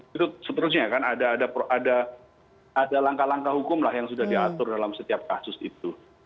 dan itu seterusnya kan ada langkah langkah hukum lah yang sudah diatur dalam setiap kasus itu